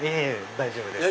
大丈夫です。